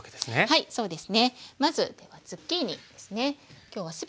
はいそうです。